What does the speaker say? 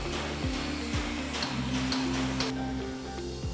sebelumnya perusahaan ini diperoleh oleh pemerintah indonesia